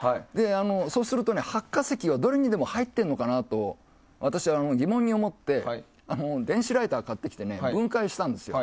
そうすると発火石はどれにでも入ってるのかなと私は疑問に思って電子ライターを買ってきて分解したんですよ。